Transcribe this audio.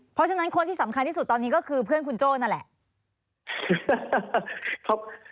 เพราะฉะนั้นคนที่สำคัญที่สุดตอนนี้ก็คือเพื่อนคุณโจ้นั่นแหละ